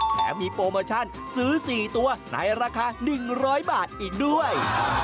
แถมมีโปรโมชั่นซื้อ๔ตัวในราคา๑๐๐บาทอีกด้วย